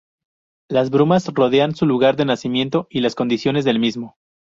Las brumas rodean su lugar de nacimiento y las condiciones del mismo.